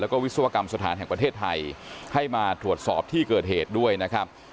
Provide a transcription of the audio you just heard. แล้วก็วิศวกรรมสถานแห่งประเทศไทยให้มาตรวจสอบที่เกิดเหตุด้วยนะครับ